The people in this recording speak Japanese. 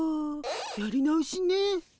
やり直しね。